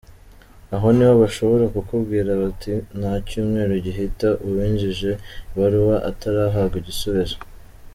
Aho niho bashobora kukubwira bati nta cyumweru gihita uwinjije ibaruwa atarahabwa igisubizo.